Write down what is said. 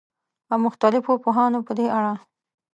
او مختلفو پوهانو په دې اړه